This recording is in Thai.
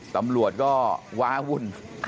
ตำรวจก็ว้าวุ่น